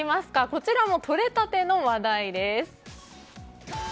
こちらもとれたての話題です。